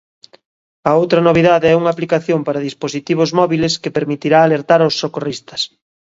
A outra novidade é unha aplicación para dispositivos móbiles que permitirá alertar os socorristas.